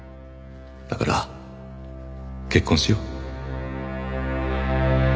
だから結婚しよう。